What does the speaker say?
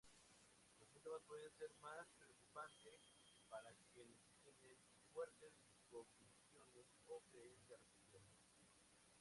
Los síntomas pueden ser más preocupante para quienes tienen fuertes convicciones o creencias religiosas.